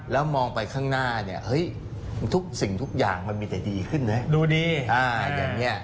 แล้วมองไปข้างหน้าสิ่งทุกอย่างมันมีแต่ดีขึ้นไง